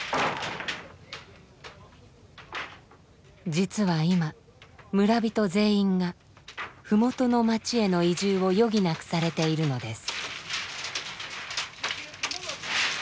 実は今村人全員が麓の町への移住を余儀なくされているのです。